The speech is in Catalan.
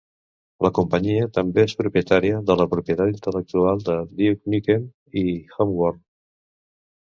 La companyia també és propietària de la propietat intel·lectual de "Duke Nukem" i "Homeworld".